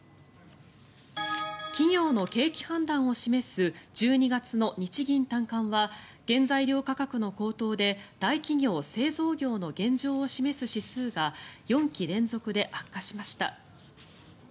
企業の景気判断を示す１２月の日銀短観は原材料価格の高騰で大企業・製造業の現状を示す指数が４期連続で悪化しました。